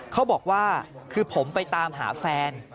เขาบอกว่าคือผมไปตามหาแฟน